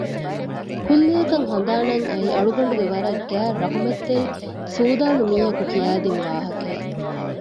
ކުއްލިއަކަށް ހަނދާނަށް އައީ އަޅުގަނޑުގެ ވަރަށް ގާތް ރަހުމަތްތެރި ސޫދާނު މީހަކު ކިޔައިދިން ވާހަކައެއް